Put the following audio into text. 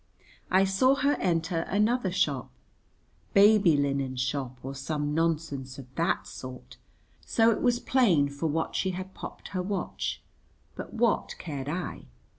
I saw her enter another shop, baby linen shop or some nonsense of that sort, so it was plain for what she had popped her watch; but what cared I?